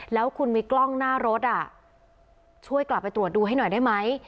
แล้วคุณมีกล้องหน้ารถช่วยกลับไปตรวจดูให้หน่อยได้ไหม